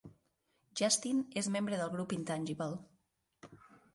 Justin és membre del grup Intangible.